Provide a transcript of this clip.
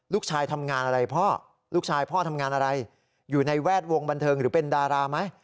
ลูกชายทำงานอะไรพ่อลูกชายพ่อทำงานอะไรอยู่ในแวดวงบันเทิงหรือเป็นดาราไหม